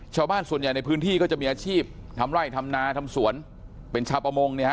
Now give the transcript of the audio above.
ชาวบ้านส่วนใหญ่ในพื้นที่ก็จะมีอาชีพทำไร่ทำนาทำสวนเป็นชาวประมงเนี่ยฮ